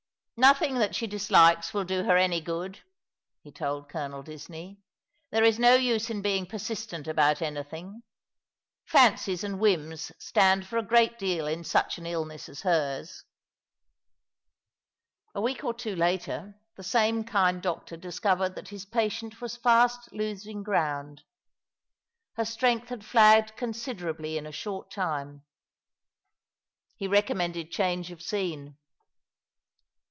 " Nothing that she dislikes will do her any good," he told Colonel Disney. '^ There is no use in being persistent about anything. Fancies and whims stand for a great deal in such an illness as hers." A week or two later the same kind doctor discovered that *' Thou Paradise of Exiles ^ Italy T 239 his patient was fast losing ground. Her strength had flagged considerably in a short time. He recommended change of scene.